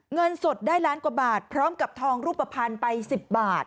เงินสดได้ล้านกว่าบาทพร้อมกับทองรูปภัณฑ์ไป๑๐บาท